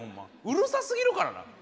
うるさすぎるからな。